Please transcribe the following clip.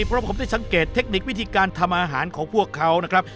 เพราะผมได้สังเกตเทคนิควิธีการทำอาหารของพวกเขานะครับ